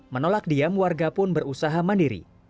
menolak diam warga pun berusaha mandiri